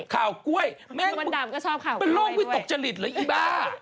ข่าวกล้วยมันดำก็ชอบข่าวกล้วยด้วยมันร่วมวิตกจริตเลยอีบ้า